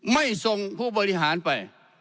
ไม่ส่งผู้บริหารไป